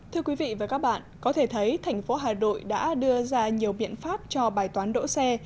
thưa quý vị và các bạn có thể thấy thành phố hà nội đã đưa ra nhiều biện pháp cho bài toán đỗ xe